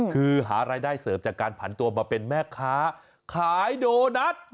คือหารายได้เสริมจากการผันตัวมาเป็นแม่ค้าขายโดนัท